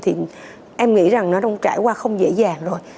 thì em nghĩ rằng nó đang trải qua không dễ dàng rồi